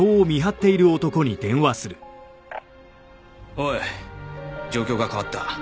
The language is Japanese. おい状況が変わった。